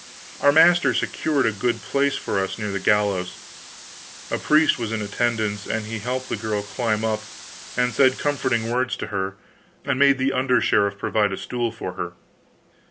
Our master secured a good place for us near the gallows. A priest was in attendance, and he helped the girl climb up, and said comforting words to her, and made the under sheriff provide a stool for her.